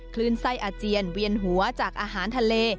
คลื่นไส้อาเจียนเวียนหัวจากอาหารทะเล